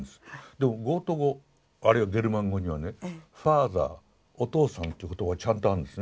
でもゴート語あるいはゲルマン語にはねファーザーお父さんっていう言葉がちゃんとあるんですね。